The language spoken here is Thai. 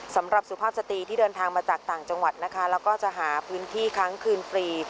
สุภาพสตรีที่เดินทางมาจากต่างจังหวัดนะคะแล้วก็จะหาพื้นที่ค้างคืนฟรี